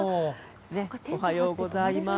おはようございます。